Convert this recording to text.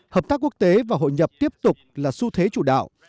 hợp tác quốc tế và hội nhập tiếp tục là xu thế chủ đạo